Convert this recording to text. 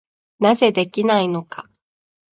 なぜできないのか。